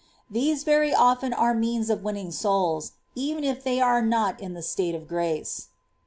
These very often are means of winning souls, even if they are not in a state of grace."